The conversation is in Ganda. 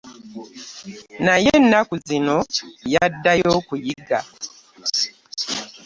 Naye ennaku zino yaddayo okuyiga.